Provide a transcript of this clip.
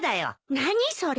何それ。